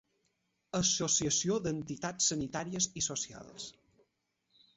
Associació d'Entitats Sanitàries i Socials.